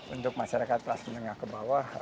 untuk masyarakat kelas menengah ke bawah